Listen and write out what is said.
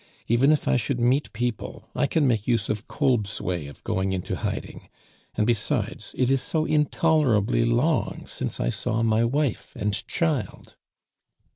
Even if I should meet people, I can make use of Kolb's way of going into hiding. And besides, it is so intolerably long since I saw my wife and child."